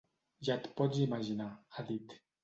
Ja et pots imaginar, ha dit.